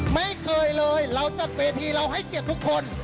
ไม่เคยเลยเราจัดเวทีเราให้เกียรติทุกคน